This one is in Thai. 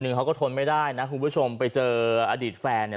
เขาก็ทนไม่ได้นะคุณผู้ชมไปเจออดีตแฟนเนี่ย